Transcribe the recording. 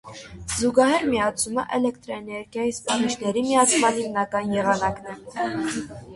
Զուգահեռ միացումը էլեկտրաէներգիայի սպառիչների միացման հիմնական եղանակն է։